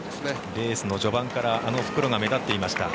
レースの序盤からあの袋が目立っていました。